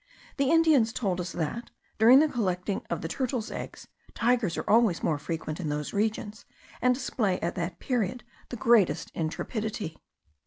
The Indians told us that, during the collecting of the turtles' eggs, tigers are always more frequent in those regions, and display at that period the greatest intrepidity.